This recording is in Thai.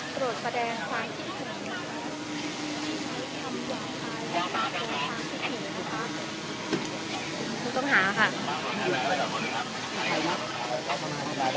ตรวจแปดความทิศของคุณค่ะคุณต้องหาค่ะ